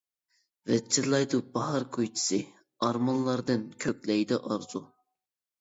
ۋىچىرلايدۇ باھار كۈيچىسى، ئارمانلاردىن كۆكلەيدۇ ئارزۇ.